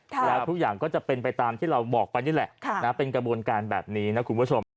แล้วทุกอย่างก็จะเป็นไปตามที่เราบอกไปนี่แหละเป็นกระบวนการแบบนี้นะคุณผู้ชม